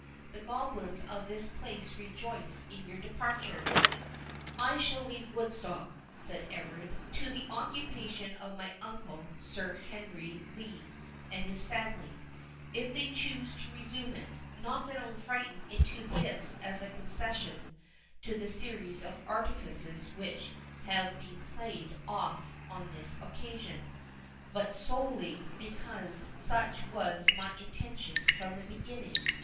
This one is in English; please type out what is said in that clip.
The goblins of the place rejoice in your departure." "I shall leave Woodstock," said Everard, "to the occupation of my uncle Sir Henry Lee, and his family, if they choose to resume it; not that I am frightened into this as a concession to the series of artifices which have been played off on this occasion, but solely because such was my intention from the beginning.